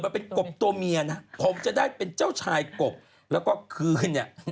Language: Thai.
ถามก่อนว่าตัวนี้ตัวเมียตัวผู้